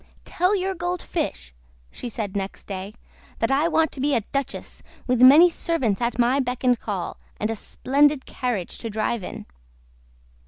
"Tell your Gold Fish," she said next day, "that I want to be a duchess, with many servants at my beck and call, and a splendid carriage to drive in.